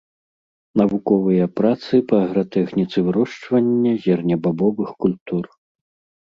Навуковыя працы па агратэхніцы вырошчвання зернебабовых культур.